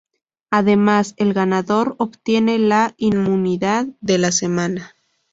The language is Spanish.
Además el ganador obtiene la inmunidad de la semana.